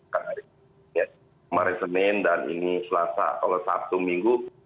kemarin senin dan ini selasa kalau sabtu minggu